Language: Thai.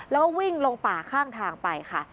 แล้วก็วิ่งลงป่าข้างทางไปค่ะ